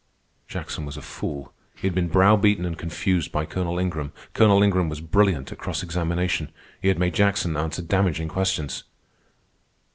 Jackson was a fool. He had been brow beaten and confused by Colonel Ingram. Colonel Ingram was brilliant at cross examination. He had made Jackson answer damaging questions.